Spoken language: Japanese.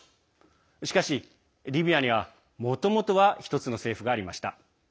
しかし、リビアにはもともとは一つの政府がありました。